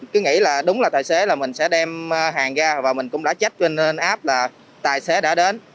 cứ nghĩ là đúng là tài xế là mình sẽ đem hàng ra và mình cũng đã chết cho nên áp là tài xế đã đến